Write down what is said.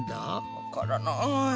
わからない。